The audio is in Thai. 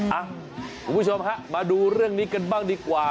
คุณผู้ชมฮะมาดูเรื่องนี้กันบ้างดีกว่า